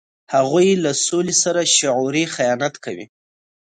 هغوی له سولې سره شعوري خیانت کوي.